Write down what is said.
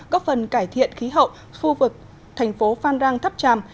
góp phần cải thiện khí hậu phu vực thành phố phan rang thắp tràm